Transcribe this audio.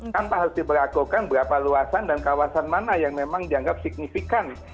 tanpa harus diperlakukan berapa luasan dan kawasan mana yang memang dianggap signifikan